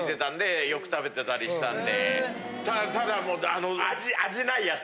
ただもう。